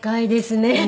ねえ。